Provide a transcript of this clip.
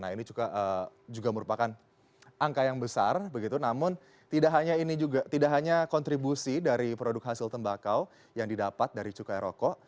nah ini juga merupakan angka yang besar begitu namun juga tidak hanya kontribusi dari produk hasil tembakau yang didapat dari cukai rokok